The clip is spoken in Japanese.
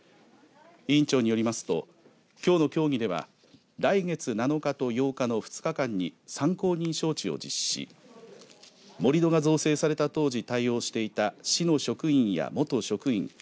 委員長によりますときょうの協議では来月７日と８日の２日間に参考人招致を実施し盛り土が造成された当時対応していた市の職員や元職員